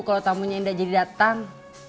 kalau tamunya indah jadi datang